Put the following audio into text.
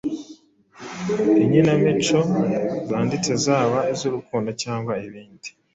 inyinamico zanditse zaba izurukundo cyangwa ibindi